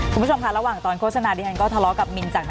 คุณผู้ชมค่ะระหว่างตอนโฆษณา